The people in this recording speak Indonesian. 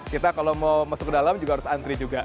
kita kalau mau masuk ke dalam juga harus antri juga